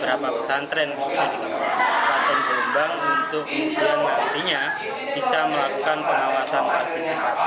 berapa pesantren di kabupaten jombang untuk keutuhan maupun pentingnya bisa melakukan pengawasan partisipatif